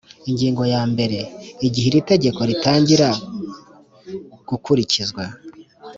ingingo ya mbere igihe iri tegeko ritangira gukurikizwa